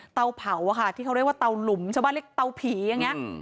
เตาเผาอะค่ะที่เขาเรียกว่าเตาหลุมชาวบ้านเรียกเตาผีอย่างนี้